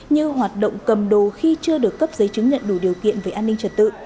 như hoạt động cầm đồ khi chưa được cấp giấy chứng nhận đủ điều kiện về an ninh trật tự